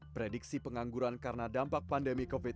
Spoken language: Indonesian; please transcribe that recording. prediksi pengangguran karena dampak pandemi covid sembilan belas